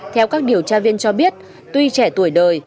theo các điều tra viên cho biết tuy trẻ tuổi đời